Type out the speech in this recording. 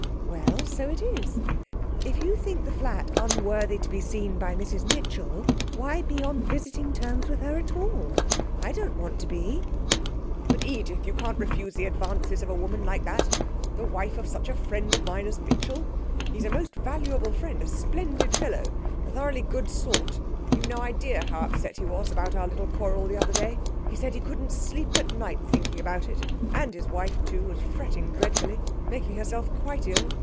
'Well, so it is. If you think the flat unworthy to be seen by Mrs Mitchell, why be on visiting terms with her at all? I don't want to be.' 'But, Edith, you can't refuse the advances of a woman like that, the wife of such a friend of mine as Mitchell. He's a most valuable friend a splendid fellow a thoroughly good sort. You've no idea how upset he was about our little quarrel the other day. He said he couldn't sleep at night thinking about it; and his wife, too, was fretting dreadfully, making herself quite ill.